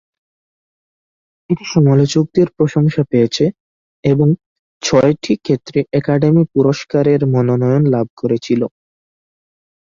এটি সমালোচকদের প্রশংসা পেয়েছে এবং ছয়টি ক্ষেত্রে একাডেমি পুরস্কারের মনোনয়ন লাভ করেছিল।